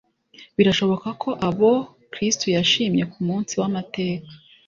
Birashoboka ko abo Kristo yashimye ku munsi w'amateka,